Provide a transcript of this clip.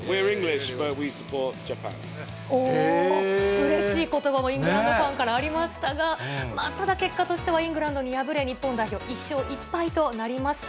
うれしいことばも、イングランドファンからありましたが、ただ結果としてはイングランドに敗れ、日本代表、１勝１敗となりました。